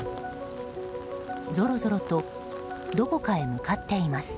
ぞろぞろとどこかへ向かっています。